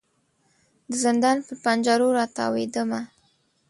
د زندان پر پنجرو را تاویدمه